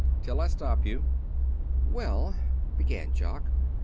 "Till I stop you." "Well," began Jock.